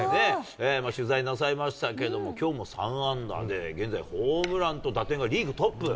取材なさいましたけど、きょうも３安打で、現在、ホームランと打点がリーグトップ。